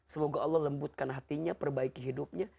semoga allah lembutkan hatinya perbaiki hidupnya